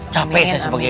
capek saya sebagai rt